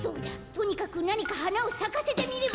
とにかくなにかはなをさかせてみれば！